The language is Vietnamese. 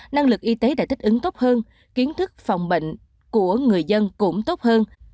năng lực y tế đã thích ứng tốt hơn kiến thức phòng bệnh của người dân cũng tốt hơn